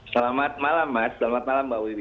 selamat malam mas selamat malam mbak wiwi